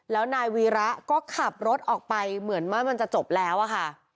แล้วนายวีระก็ขับรถออกไปเหมือนว่ามันจะจบแล้วอะค่ะ